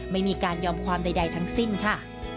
ไม่มีการยอมความใดทั้งสิ้นค่ะ